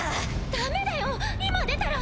ダメだよ今出たら！